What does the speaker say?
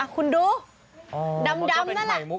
คุณดูดำนั่นแหละ